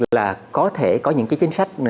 là có thể có những cái chính sách